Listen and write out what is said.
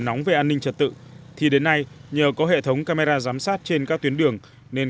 nóng về an ninh trật tự thì đến nay nhờ có hệ thống camera giám sát trên các tuyến đường nên